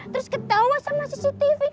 terus ketawa sama cctv